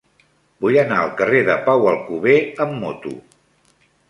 Vull anar al carrer de Pau Alcover amb moto.